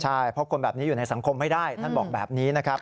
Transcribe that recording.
ใช่เพราะคนแบบนี้อยู่ในสังคมไม่ได้ท่านบอกแบบนี้นะครับ